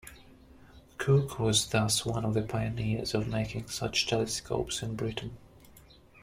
Cooke was thus one of the pioneers of making such telescopes in Britain.